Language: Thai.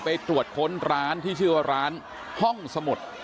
ไปตรวจค้นร้านที่ชื่อว่าร้านห้องสมุทร